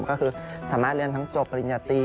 พอเข้าบรรษาที่เทศกาณ์พวกทำบ้วนอย่างเงี้ย